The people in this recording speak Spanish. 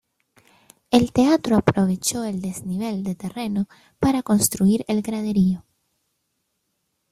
El teatro aprovechó el desnivel de terreno para construir el graderío.